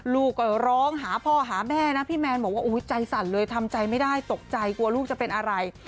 ลูกก็ร้องหาพ่อหาแม่นะพี่แมนบอกว่าใจสั่นเลยทำใจไม่ได้ตกใจกลัวลูกจะเป็นอะไร